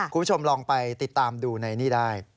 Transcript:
คุณผู้ชมลองไปติดตามดูในนี่ได้